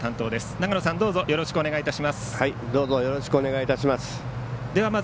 長野さん、どうぞよろしくお願いいたします。